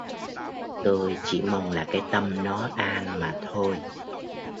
Tôi chỉ mong là cái tâm nó an mà thôi